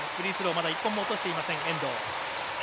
まだ１本も落としていない、遠藤。